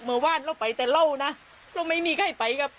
เมื่อวานเราไปแต่เรานะ